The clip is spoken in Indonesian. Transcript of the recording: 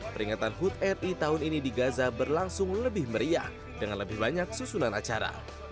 peringatan hud ri tahun ini di gaza berlangsung lebih meriah dengan lebih banyak susunan acara